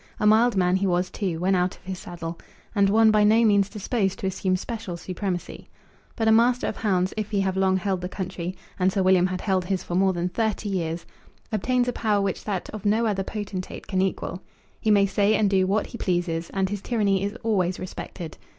A mild man he was, too, when out of his saddle, and one by no means disposed to assume special supremacy. But a master of hounds, if he have long held the country, and Sir William had held his for more than thirty years, obtains a power which that of no other potentate can equal. He may say and do what he pleases, and his tyranny is always respected.